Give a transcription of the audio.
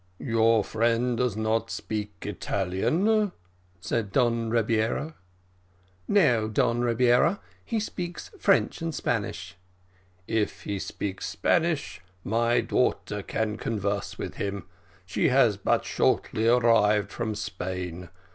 "Your friend does not speak Italian," said Don Rebiera. "No, Don Rebiera, he speaks French and Spanish." "If he speaks Spanish my daughter can converse with him; she has but shortly arrived from Spain.